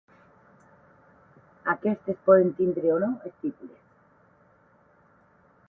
Aquestes poden tindre o no estípules.